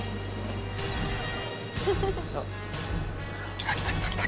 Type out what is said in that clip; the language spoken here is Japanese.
来た来た来た来た！